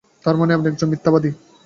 তারমানে আপনি একজন মিথ্যাবাদী।